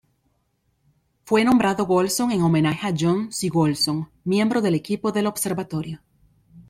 Fue nombrado Golson en homenaje a "John C. Golson" miembro del equipo del observatorio.